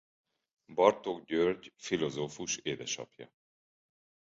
Bartók György filozófus édesapja.